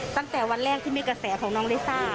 ตั้งแต่วันแรกที่มีกระแสของน้องลิซ่า